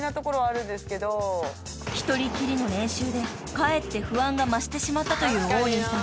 ［１人きりの練習でかえって不安が増してしまったという王林さん。